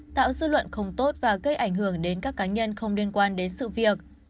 tạo dư luận không tốt và gây ảnh hưởng đến các cá nhân không liên quan đến sự việc